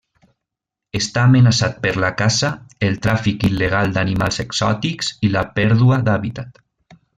Està amenaçat per la caça, el tràfic il·legal d'animals exòtics i la pèrdua d'hàbitat.